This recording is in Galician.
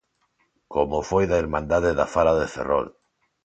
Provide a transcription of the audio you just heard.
Como o foi da Irmandade da Fala de Ferrol.